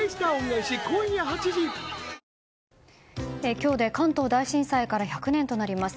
今日で関東大震災から１００年となります。